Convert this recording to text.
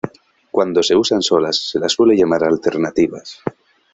Cuando se usan solas se las suele llamar "alternativas".